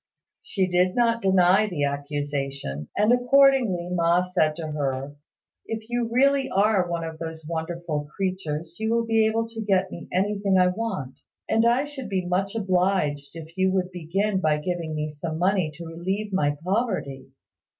She did not deny the accusation; and accordingly Ma said to her, "If you really are one of those wonderful creatures you will be able to get me anything I want; and I should be much obliged if you would begin by giving me some money to relieve my poverty."